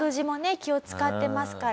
気を使ってますから。